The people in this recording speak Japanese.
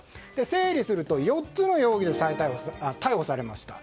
整理すると４つの容疑で逮捕されました。